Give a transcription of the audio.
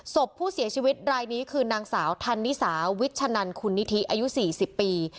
ศพผู้เสียชีวิตรายนี้คือนางสาวธันนิสาวิชชะนันคุณนิธิอายุ๔๐ปี